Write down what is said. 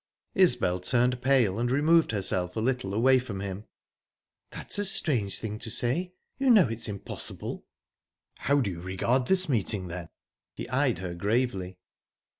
Isbel turned pale, and removed herself a little away from him. "That's a strange thing to say. You know it's impossible." "How do you regard this meeting, then?" He eyed her gravely.